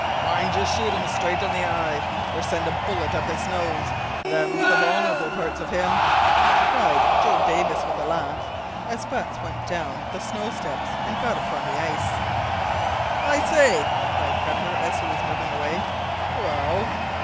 "Mind you shoot him straight in the eye, or send a bullet up his nose. Them's the vulnerable parts of him," cried Joe Davis, with a laugh, as Butts went down the snow steps and got upon the ice. "I say," cried Pepper, as he was moving away. "Well?"